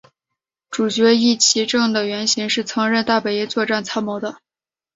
主角壹岐正的原型是曾任大本营作战参谋的。